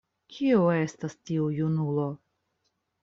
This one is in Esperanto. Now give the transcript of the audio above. Kiu estas tiu junulo?